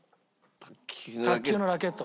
卓球のラケット。